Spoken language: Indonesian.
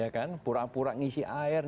ya kan pura pura ngisi air